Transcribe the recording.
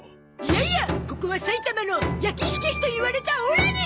いやいやここは埼玉の焼き火消しといわれたオラに！